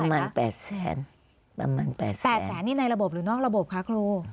ประมาณแปดแสนประมาณแปดแสนแปดแสนนี่ในระบบหรือนอกระบบคะครู